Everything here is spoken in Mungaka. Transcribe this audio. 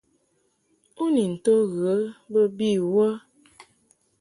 U ni nto ghə bə bi wə ?